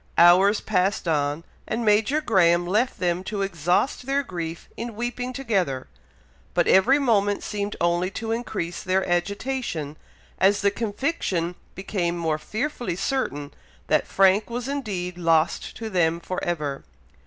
Hours passed on, and Major Graham left them to exhaust their grief in weeping together, but every moment seemed only to increase their agitation, as the conviction became more fearfully certain that Frank was indeed lost to them for ever.